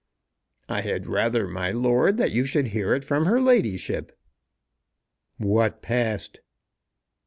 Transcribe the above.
"I had rather, my lord, you should hear it from her ladyship." "What passed?"